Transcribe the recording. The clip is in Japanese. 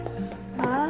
ああ。